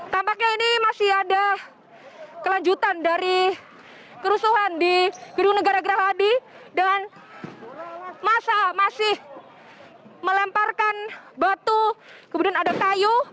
tampaknya ini masih ada kelanjutan dari kerusuhan di gedung negara gerahadi dan masa masih melemparkan batu kemudian ada kayu